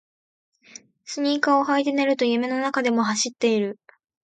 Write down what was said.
スニーカーを履いて寝ると夢の中でも走っている